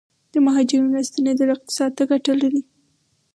د مهاجرینو راستنیدل اقتصاد ته ګټه لري؟